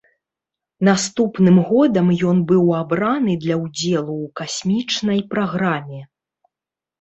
Наступным годам ён быў абраны для ўдзелу ў касмічнай праграме.